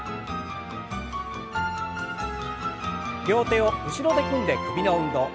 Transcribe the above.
両手を後ろで組んで首の運動。